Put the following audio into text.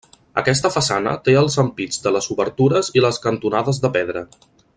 Aquesta façana té els ampits de les obertures i les cantonades de pedra.